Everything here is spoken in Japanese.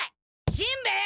しんべヱ！